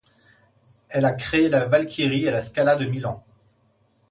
Elle a créé la Walkyrie à la Scala de Milan.